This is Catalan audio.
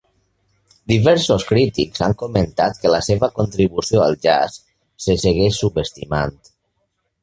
Diversos crítics han comentat que la seva contribució al jazz se segueix subestimant.